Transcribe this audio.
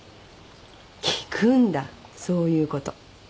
聞くんだそういうこと。